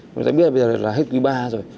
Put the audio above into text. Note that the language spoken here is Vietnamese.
mọi người sẽ biết là bây giờ là hết quý ba rồi